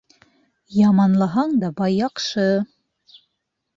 Яманлаһаң да бай яҡшы.